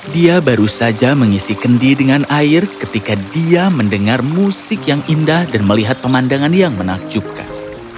dia baru saja mengisi kendi dengan air ketika dia mendengar musik yang indah dan melihat pemandangan yang menakjubkan